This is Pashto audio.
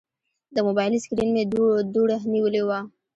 د موبایل سکرین مې دوړه نیولې وه.